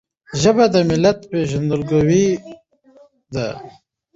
ژبه د ملت پیژندګلوي ده.